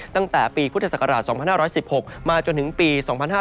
ตั้งแต่ปีพุทธศักราช๒๕๑๖มาจนถึงปี๒๕๕๙